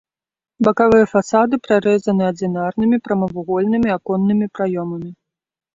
Бакавыя фасады прарэзаны адзінарнымі прамавугольнымі аконнымі праёмамі.